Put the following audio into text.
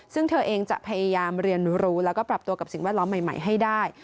ซึ่งเธอเองจะพยายามเรียนรู้แล้วก็ปรับตัวกับสิ่งแวดล้อมใหม่ให้ได้